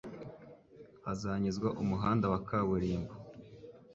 hazanyuzwa umuhanda wa Kaburimbo